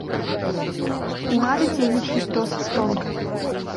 Улады дзейнічаюць досыць тонка.